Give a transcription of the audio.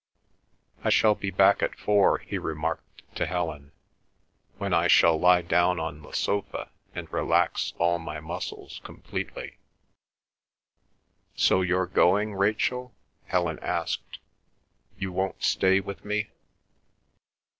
"I shall be back at four," he remarked to Helen, "when I shall lie down on the sofa and relax all my muscles completely." "So you're going, Rachel?" Helen asked. "You won't stay with me?"